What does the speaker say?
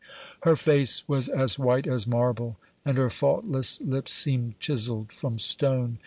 Her face was as white as marble and her faultless lips seemed chiseled from stone.